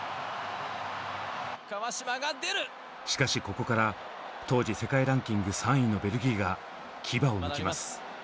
しかしここから当時世界ランキング３位のベルギーが牙をむきます。